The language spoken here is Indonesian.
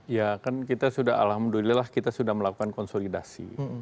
ya kan kita sudah alhamdulillah kita sudah melakukan konsolidasi